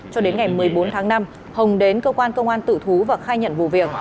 cho đến ngày một mươi bốn tháng năm hồng đến cơ quan công an tự thú và khai nhận vụ việc